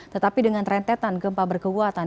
tetapi dengan rentetan gempa berkekuatan